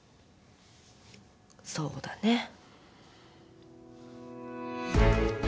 そうだね。